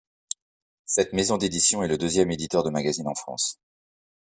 Cette maison d'éditions est le deuxième éditeur de magazines en France.